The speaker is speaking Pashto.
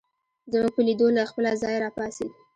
زموږ په لیدو له خپله ځایه راپاڅېد.